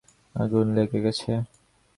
আগুন লেগে গেছে!